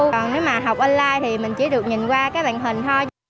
còn nếu mà học online thì mình chỉ được nhìn qua các bản hình thôi